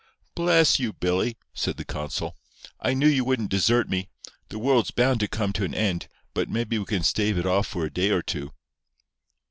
"Bless you, Billy!" said the consul. "I knew you wouldn't desert me. The world's bound to come to an end, but maybe we can stave it off for a day or two."